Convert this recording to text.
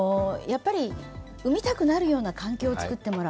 産みたくなるような環境を作ってもらう。